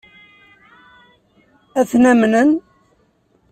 Ad ten-amnen?